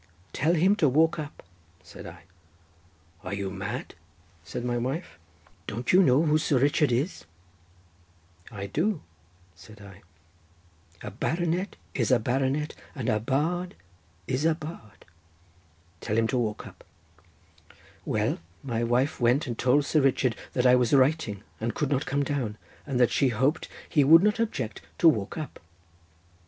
'Tell him to walk up,' said I. 'Are you mad?' said my wife. 'Don't you know who Sir Richard is?' 'I do,' said I, 'a baronet is a baronet, but a bard is a bard. Tell him to walk up.' Well, my wife went and told Sir Richard that I was writing, and could not come down, and that she hoped he would not object to walk up.